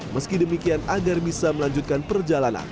meski demikian agar bisa melanjutkan perjalanan